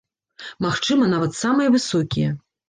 Магчыма, нават самыя высокія.